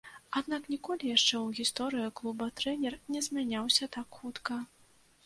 Аднак ніколі яшчэ ў гісторыі клуба трэнер не змяняўся так хутка.